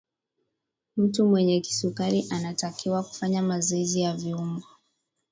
mtu mwenye kisukari anatakiwa kufanya mazoezi ya viungo